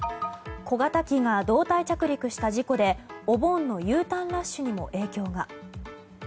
小型機が胴体着陸した事故でお盆のＵターンラッシュにも影響が。